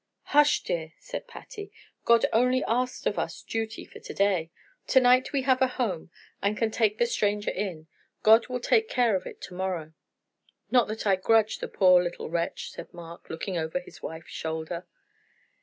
"Hush, dear!" said Patty. "God only asks of us duty for to day. To night we have a home, and can take the stranger in. God will take care of it to morrow." "Not that I grudge the poor little wretch," said Mark, looking over his wife's shoulder.